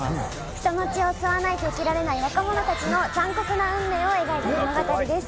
人の血を吸わないと生きられない若者たちの残酷な運命を描いた物語です。